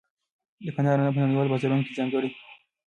د کندهار انار په نړیوالو بازارونو کې ځانګړی نوم او لوړ کیفیت لري.